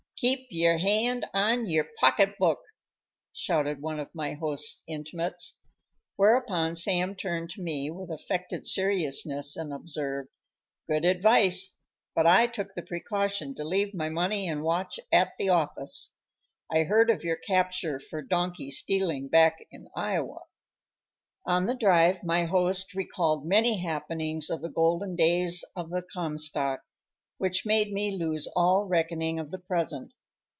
"Keep yer hand on yer pocket book!" shouted one of my host's intimates; whereupon Sam turned to me with affected seriousness and observed, "Good advice. But I took the precaution to leave my money and watch at the office. I heard of your capture for donkey stealing back in Iowa." On the drive my host recalled many happenings of the golden days of the Comstock, which made me lose all reckoning of the present.